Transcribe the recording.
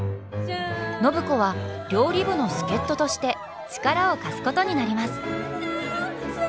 暢子は料理部の助っ人として力を貸すことになります！